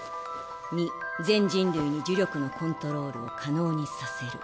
２全人類に呪力のコントロールを可能にさせる。